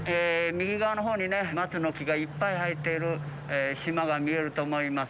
右側のほうにね、松の木がいっぱい生えている島が見えると思います。